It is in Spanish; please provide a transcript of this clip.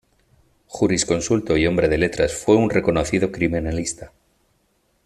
Jurisconsulto y hombre de letras, fue un reconocido criminalista.